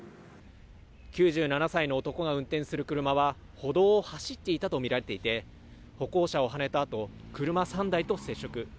９７歳の男が運転する車は歩道を走っていたとみられていて歩行者をはねたあと車３台と接触。